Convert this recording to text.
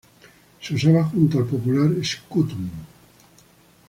Se usaba junto al popular "scutum".